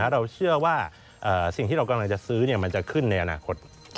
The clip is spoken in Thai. เราเชื่อว่าสิ่งที่เรากำลังจะซื้อมันจะขึ้นในอนาคต